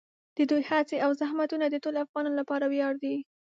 د دوی هڅې او زحمتونه د ټولو افغانانو لپاره ویاړ دي.